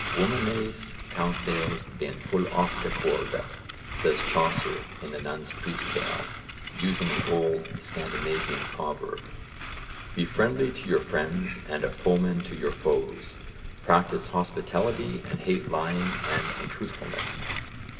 'Wommennes conseils been ful ofte colde,' says Chaucer in the Nun's Priest's Tale, using an old Scandinavian proverb. 'Be friendly to your friends and a foeman to your foes. Practice hospitality and hate lying and untruthfulness.'